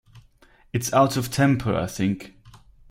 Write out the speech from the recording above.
It’s out of temper, I think.